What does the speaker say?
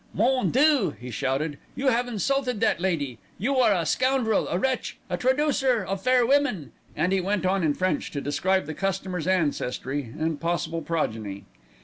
"Mon Dieu!" he shouted, "you have insulted that lady. You are a scoundrel, a wretch, a traducer of fair women;" and he went on in French to describe the customer's ancestry and possible progeny.